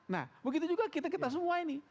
nah begitu juga kita kita semua ini